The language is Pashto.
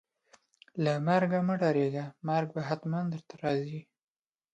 له مرګ مه ډاریږئ ، مرګ به ختمن درته راځي